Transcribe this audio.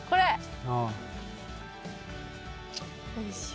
よいしょ。